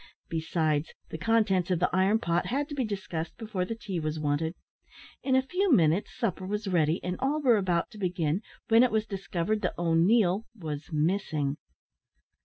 Besides, the contents of the iron pot had to be discussed before the tea was wanted. In a few minutes supper was ready, and all were about to begin, when it was discovered that O'Neil was missing.